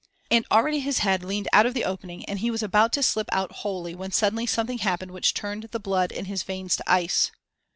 And already his head leaned out of the opening and he was about to slip out wholly when suddenly something happened which turned the blood in his veins to ice.